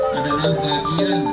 pada hari ini ada langkah yang